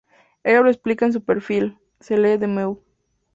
Ella lo explica en su perfil 美优se lee de Mew.